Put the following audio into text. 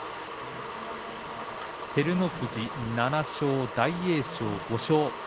照ノ富士、７勝大栄翔、５勝。